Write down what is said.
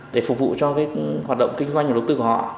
để phục vụ cho hoạt động kinh doanh và đầu tư của họ